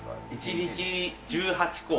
１日に１８個。